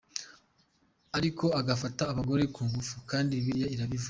Arica, agafata abagore ku ngufu kandi Bibiliya irabibuza.